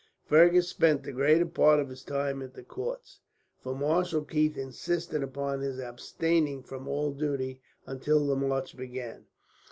Fergus spent the greater part of his time at the count's, for Marshal Keith insisted upon his abstaining from all duty, until the march began.